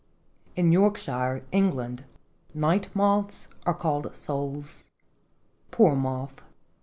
. In Yorkshire, England, night moths are called souls. Poor moth